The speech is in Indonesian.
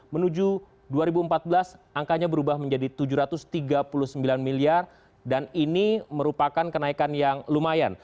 menuju dua ribu empat belas angkanya berubah menjadi tujuh ratus tiga puluh sembilan miliar dan ini merupakan kenaikan yang lumayan